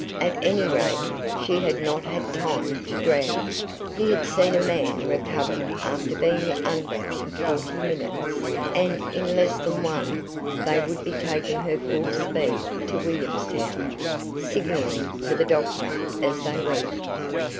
At any rate, she had not had time to drown. He had seen a man recovered after being under for forty minutes, and in less than one they would be taking her full speed to Williamstown, signalling for the doctor as they went.